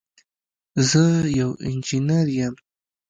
زه یو انجینر یم